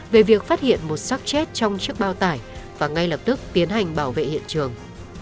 về việc phát hiện một sắc chết trong chiếc bao tải và ngay lập tức tiến hành bảo vệ hiện trường